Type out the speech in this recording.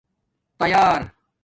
تیار